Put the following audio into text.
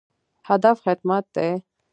هدف خدمت دی